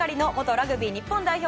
ラグビー日本代表